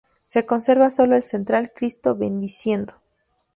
Se conserva solo el central: "Cristo bendiciendo".